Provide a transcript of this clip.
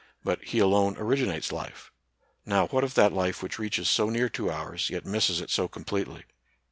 But He alone originates life. Now what of that life which reaches so near to ours, yet misses it so completely?